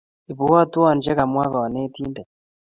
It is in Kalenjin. Ipwotwon che ka mwa kanetindet